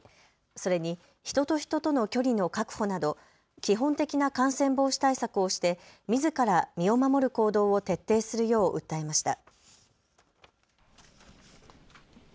それに人と人との距離の確保など基本的な感染防止対策をしてみずから身を守る行動を徹底するよう訴えました。